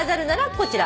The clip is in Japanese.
こちら。